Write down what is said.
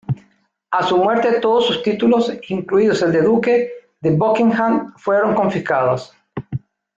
A su muerte todos sus títulos, incluidos el de duque de Buckingham, fueron confiscados.